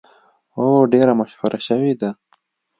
او ډیره مشهوره شوې ده.